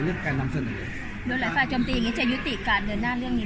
การนำเสนอโดยหลายฝ่ายจมตีอย่างงี้จะยุติการเดินหน้าเรื่องนี้